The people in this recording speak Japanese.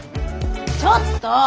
ちょっと！